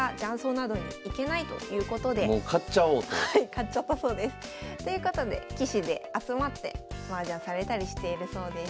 買っちゃったそうです。ということで棋士で集まってマージャンされたりしているそうです。